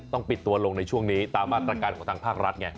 ปิดตัวลงในช่วงนี้ตามมาตรการของทางภาครัฐไง